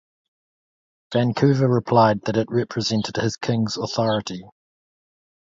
Vancouver replied that it represented his king's authority.